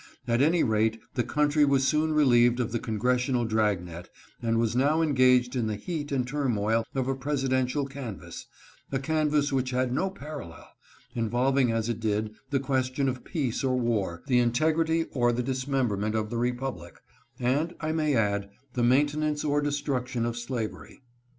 At any rate the country was soon relieved of the congressional drag net and was now engaged in the heat and turmoil of a presidential canvass — a canvass which had no parallel, involving as it did the question of peace or war, the integrity or the dismember ment of the Republic, and, I may add, the maintenance or destruction of slavery.